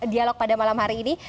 dialog pada malam hari ini